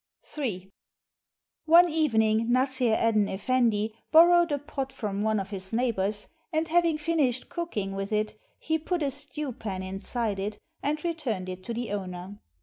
Ill One evening, Nassr Eddyn Effendi borrowed a pot from one of his neighbors, and, having finished cooking with it, he put a stew pan inside it and returned it to the owner.